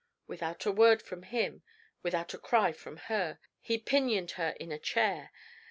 Without a word from him without a cry from her he pinioned her in a chair.